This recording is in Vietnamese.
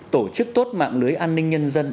tổ chức tốt mạng lưới an ninh nhân dân